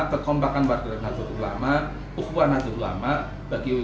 terkompakan warga nato ulama ukuran nato ulama